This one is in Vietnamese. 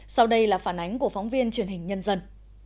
sau đây là phản ánh của phóng viên truyền hình nhân dân